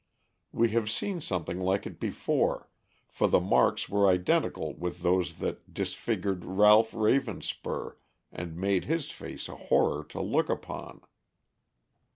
We have seen something like it before, for the marks were identical with those that disfigured Ralph Ravenspur and made his face a horror to look upon.